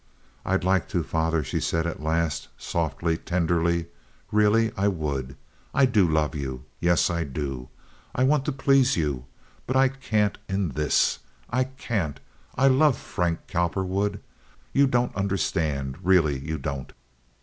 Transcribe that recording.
"I'd like to, father," she said at last and softly, tenderly. "Really I would. I do love you. Yes, I do. I want to please you; but I can't in this—I can't! I love Frank Cowperwood. You don't understand—really you don't!"